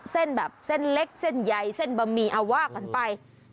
เส้นแบบเส้นเล็กเส้นใหญ่เส้นบะหมี่เอาว่ากันไป